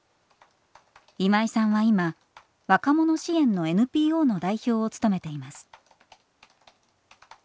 今井さんは今若者支援のＮＰＯの代表を務めています。